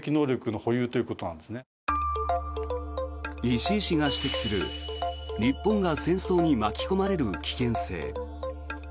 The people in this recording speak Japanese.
石井氏が指摘する日本が戦争に巻き込まれる危険性。